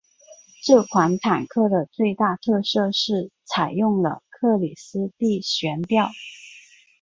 这款坦克的最大特色是采用了克里斯蒂悬吊。